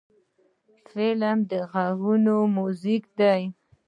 فلم د غوږونو میوزیک دی